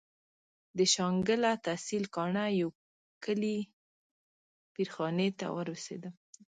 د شانګله تحصيل کاڼه يو کلي پير خاني ته ورسېدم.